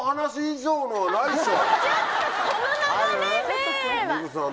ちょっとこの流れでは。